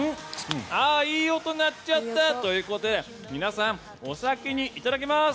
いい音鳴っちゃったということで皆さん、お先にいただきます！